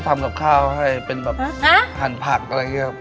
ก็ทำกับข้าวให้เป็นแบบหันผักอะไรเชียว